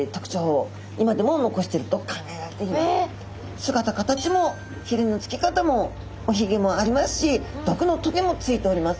姿形もひれの付き方もおヒゲもありますし毒の棘も付いております。